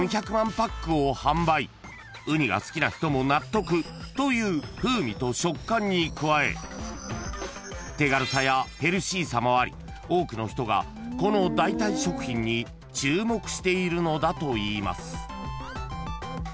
［ウニが好きな人も納得という風味と食感に加え手軽さやヘルシーさもあり多くの人がこの代替食品に注目しているのだといいます］